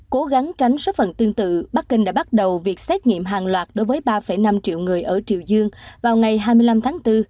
cố gắng tránh số phần tương tự bắc kinh đã bắt đầu việc xét nghiệm hàng loạt đối với ba năm triệu người ở triều dương vào ngày hai mươi năm tháng bốn